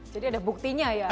jadi ada buktinya ya